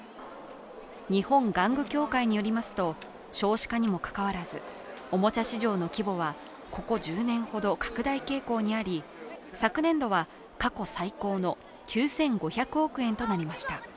日本玩具協会によりますと、少子化にもかかわらず、おもちゃ市場の規模はここ１０年ほど拡大傾向にあり、昨年度は、過去最高の９５００億円となりました。